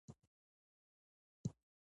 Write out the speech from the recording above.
د هوا ککړتیا هم د انسانانو له امله ده.